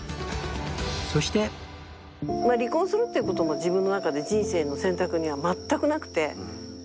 そして離婚するっていう事も自分の中で人生の選択には全くなくて。